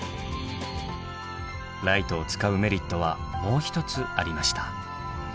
ライトを使うメリットはもう一つありました。